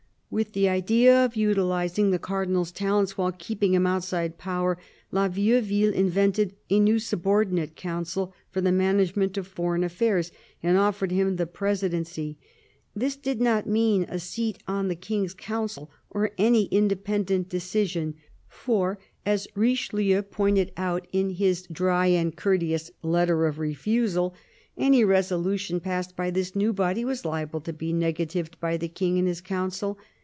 With the idea of utilising the Cardinal's talents while keeping him outside power. La Vieuville invented a new subordinate Council for the management of foreign affairs, and offered him the presidency. This did not mean a seat] on the King's Council, or any independent decision, for, as Richelieu pointed out in his HO CARDINAL DE RICHELIEU dry and courteous letter of refusal, any resolution passed by this new body was liable to be negatived by the King and his Council.